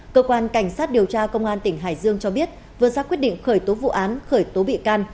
cơ quan cảnh sát điều tra công an tỉnh hải dương cho biết vừa ra quyết định khởi tố vụ án khởi tố bị can